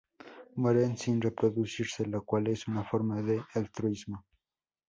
Mueren sin reproducirse, lo cual es una forma de "altruismo".